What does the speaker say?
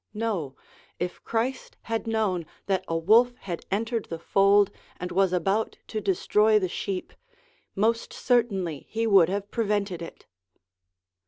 No, if Christ had known that a wolf had entered the fold and was about to destroy the sheep, most certainly he would have prevented it.